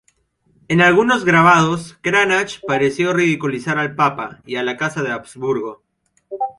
En algunos grabados, Cranach pareció ridiculizar al papa y a la Casa de Habsburgo.